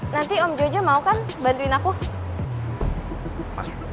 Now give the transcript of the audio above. nanti om joja mau kan bantuin aku